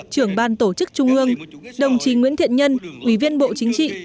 trưởng ban tổ chức trung ương đồng chí nguyễn thiện nhân ủy viên bộ chính trị